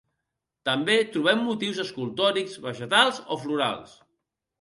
També trobem motius escultòrics vegetals o florals.